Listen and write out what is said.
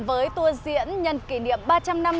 với tour diễn nhân kỷ niệm ba trăm linh năm